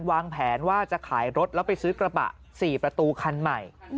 วางแผนว่าจะขายรถแล้วไปซื้อกระบะ๔ประตูคันใหม่